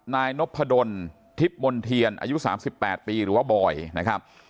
นายนพดลทิพย์มนเทียนอายุ๓๘ปีหรือว่าบอยนะครับ